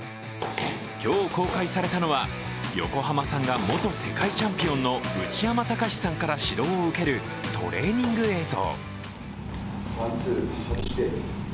今日公開されたのは横浜さんが元世界チャンピオンの内山高志さんから指導を受けるトレーニング映像。